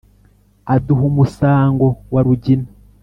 aduha umusango wa rugina